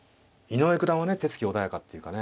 井上九段はね手つき穏やかって言うかね。